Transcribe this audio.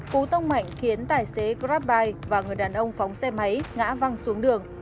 cú tông mạnh khiến tài xế grabbuy và người đàn ông phóng xe máy ngã văng xuống đường